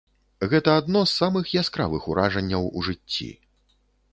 Гэта адно з самых яскравых уражанняў у жыцці.